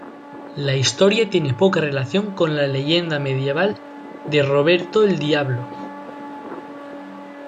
La historia tiene poca relación con la leyenda medieval de "Roberto el Diablo".